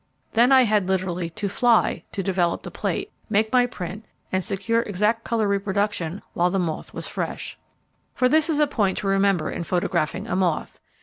Then I had literally 'to fly' to develop the plate, make my print and secure exact colour reproduction while the moth was fresh. For this is a point to remember in photographing a moth.